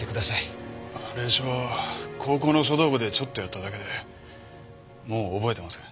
隷書は高校の書道部でちょっとやっただけでもう覚えてません。